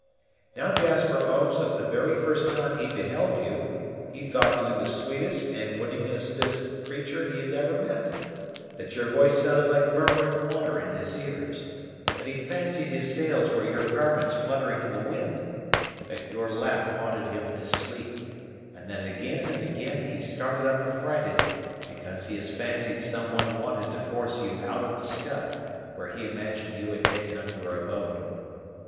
Now Jasper owns that the very first time he beheld you, he thought you the sweetest and winningestest creatur' he had ever met; that your voice sounded like murmuring water in his ears; that he fancied his sails were your garments fluttering in the wind; that your laugh haunted him in his sleep; and that ag'in and ag'in has he started up affrighted, because he has fancied some one wanted to force you out of the Scud, where he imagined you had taken up your abode.